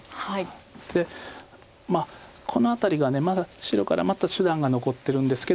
でこの辺りがまだ白からまた手段が残ってるんですけど。